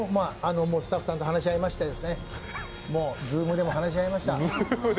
スタッフさんと話し合いましてＺｏｏｍでも話し合いました。